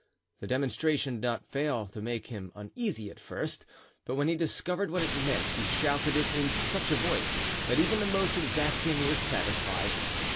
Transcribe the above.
The demonstration did not fail to make him uneasy at first; but when he discovered what it meant, he shouted it in such a voice that even the most exacting were satisfied.